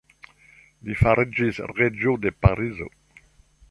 Li fariĝis reĝo de Parizo.